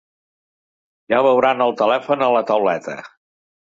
Ja veuran el telèfon a la tauleta.